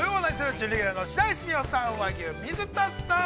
準レギュラーの白石美帆さん、和牛の水田さん。